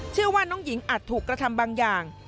เชื่อว่าน้องหญิงอาจถูกกระทำบางอย่าง